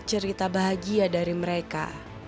lebih banyak cerita bahagia dari mereka